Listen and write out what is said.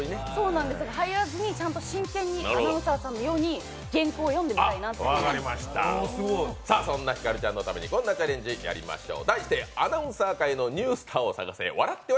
入らずに真剣にアナウンサーさんのようにそんなひかるちゃんのためにこんなチャレンジやりましょう。